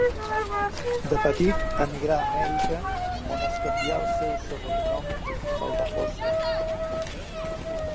De petit emigrà a Amèrica, on es canvià el seu segon nom pel de José.